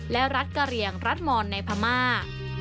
และรัฐกะเหลี่ยงรัฐมอนในพม่า